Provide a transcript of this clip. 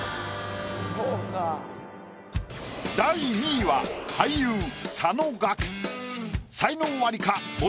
第２位は俳優佐野岳。